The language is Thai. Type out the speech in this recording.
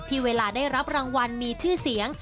เวลาได้รับรางวัลมีชื่อเสียง